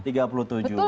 tiga puluh tujuh